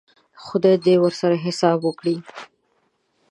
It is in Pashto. خدای دې ورسره حساب وکړي.